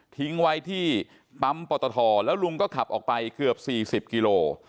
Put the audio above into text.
ทิ้งไว้ที่ปั๊มปตทแล้วลุงก็ขับออกไปเกือบ๔๐กิโล